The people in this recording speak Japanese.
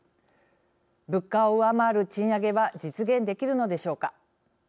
物価を上回る賃上げは実現できるのでしょうか。